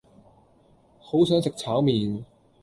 好想食炒麵